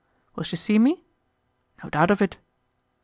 "Will she see me?" "No doubt of it."